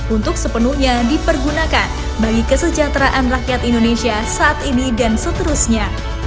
untuk sepenuhnya dipergunakan bagi kesejahteraan rakyat indonesia saat ini dan seterusnya